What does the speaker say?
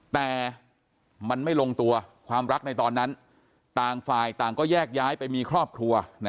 แต่มันไม่ลงตัวความรักในตอนนั้นต่างฝ่ายต่างก็แยกย้ายไปมีครอบครัว